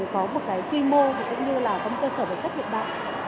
có một cái quy mô cũng như là có cơ sở vật chất hiện đại